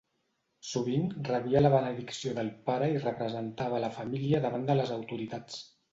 Sovint rebia la benedicció del pare i representava a la família davant les autoritats.